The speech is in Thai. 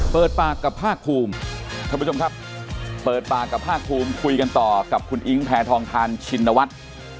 เปิดปากกับภาคภูมิท่านผู้ชมครับเปิดปากกับภาคภูมิคุยกันต่อกับคุณอิ๊งแพทองทานชินวัฒน์